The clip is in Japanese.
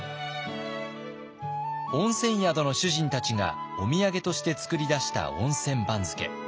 温泉宿の主人たちがお土産として作り出した温泉番付。